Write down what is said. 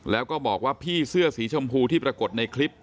แล้วก็บอกว่าพี่เสื้อสีชมพูที่ปรากฏในคลิป